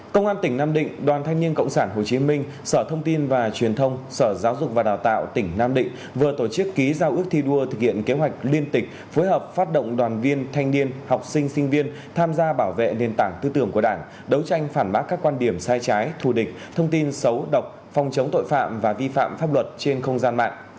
công an tỉnh nam định đoàn thanh niên cộng sản hồ chí minh sở thông tin và truyền thông sở giáo dục và đào tạo tỉnh nam định vừa tổ chức ký giao ước thi đua thực hiện kế hoạch liên tịch phối hợp phát động đoàn viên thanh niên học sinh sinh viên tham gia bảo vệ nền tảng tư tưởng của đảng đấu tranh phản bác các quan điểm sai trái thù địch thông tin xấu độc phòng chống tội phạm và vi phạm pháp luật trên không gian mạng